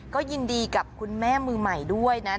ก็ยินดีกับคุณแม่มือใหม่ด้วยนะ